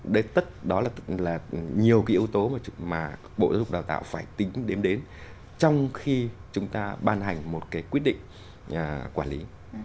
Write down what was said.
đấy tức đó là nhiều cái yếu tố mà bộ giáo dục đào tạo phải tính đến trong khi chúng ta ban hành một cái quyết định quản lý